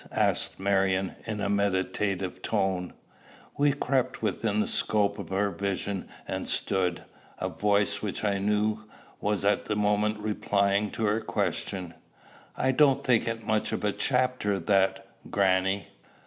asked Marion in a meditative tone. We crept within the scope of her vision, and stood. A voice, which I knew, was at the moment replying to her question. "I don't think it's much of a chapter, that, grannie."